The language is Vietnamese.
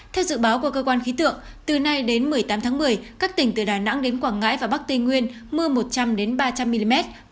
theo dự báo của cơ quan khí tượng từ nay đến một mươi tám tháng một mươi các tỉnh từ đà nẵng đến quảng ngãi và bắc tây nguyên mưa một trăm linh đến ba trăm linh mm có nơi trên ba trăm linh mm